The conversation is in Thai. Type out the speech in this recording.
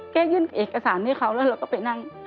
ยื่นเอกสารให้เขาแล้วเราก็ไปนั่ง